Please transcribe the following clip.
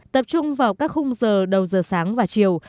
tập trung vào các khung giờ đầu giờ sáng và chiều